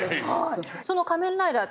その「仮面ライダー」